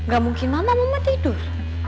gak mungkin mama mama tidur